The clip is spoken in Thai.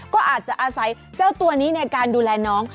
ก็อาจจะอาศัยเจ้าตัวนี้ในการดูแลน้อง